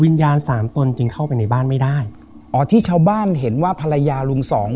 วิญญาณสามตนจึงเข้าไปในบ้านไม่ได้อ๋อที่ชาวบ้านเห็นว่าภรรยาลุงสอง